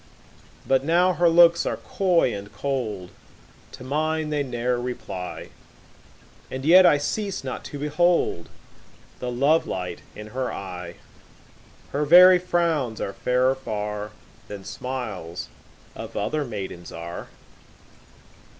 But now her looks are coy and cold, To mine they ne'er reply, And yet I cease not to behold The love light in her eye: 10 Her very frowns are fairer far Than smiles of other maidens are.